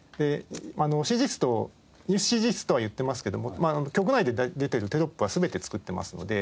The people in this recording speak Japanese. ＣＧ室とニュースＣＧ室とは言ってますけども局内で出てるテロップは全て作ってますので。